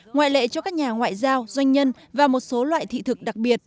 ngoại lệ cho các nhà ngoại giao doanh nhân và một số loại thị thực đặc biệt